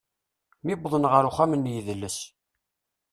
Mi wwḍen ɣer uxxam n yidles.